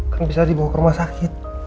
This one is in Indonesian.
kan bisa dibawa ke rumah sakit